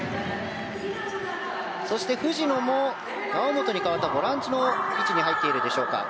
そして藤野も猶本に代わってボランチの位置に入っているでしょうか。